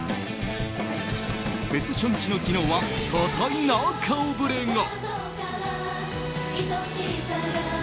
フェス初日の昨日は多彩な顔ぶれが。